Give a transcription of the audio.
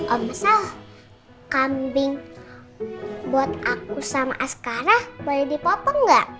om sah kambing buat aku sama askara boleh dipotong nggak